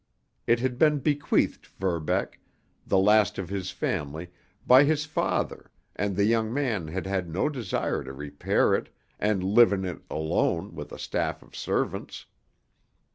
It had been bequeathed Verbeck, the last of his family, by his father, and the young man had had no desire to repair it and live in it alone with a staff of servants.